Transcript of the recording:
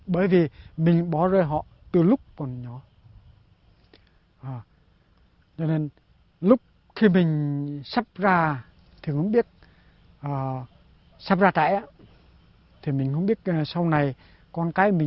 bởi vì mình bỏ rơi họ từ lúc còn nhỏ